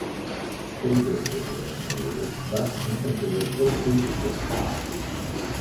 Speed was key in these maneuvers, thus infantry was ill-suited to the task.